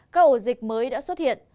các ổ dịch mới đã xuất hiện